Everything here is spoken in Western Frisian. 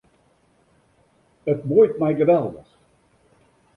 It muoit my geweldich.